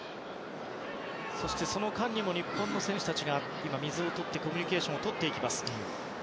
そしてその間にも日本の選手たちが、水をとってコミュニケーションをとっています。